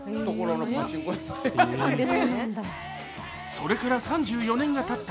それから３４年がたった